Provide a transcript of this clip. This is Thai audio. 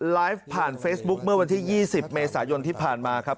ไลฟ์ผ่านเฟซบุ๊คเมื่อวันที่๒๐เมษายนที่ผ่านมาครับ